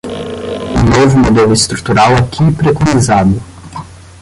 O novo modelo estrutural aqui preconizado